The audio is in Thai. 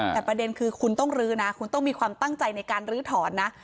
แต่ประเด็นคือคุณต้องลื้อนะคุณต้องมีความตั้งใจในการลื้อถอนนะ